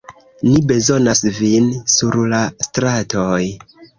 Ni bezonas vin sur la stratoj.